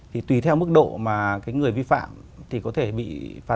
thì tùy theo mức độ mà cái người vi phạm thì có thể bị phạt